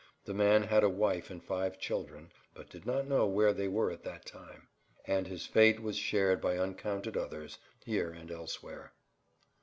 The man had a wife and five children, but did not know where they were at that time. And his fate was shared by uncounted others, here and elsewhere.